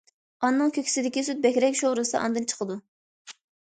ئانىنىڭ كۆكسىدىكى سۈت بەكرەك شورىسا ئاندىن چىقىدۇ.